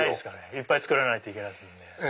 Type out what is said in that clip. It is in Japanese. いっぱい作らないといけない。